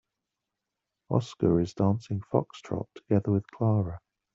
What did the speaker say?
Oscar is dancing foxtrot together with Clara.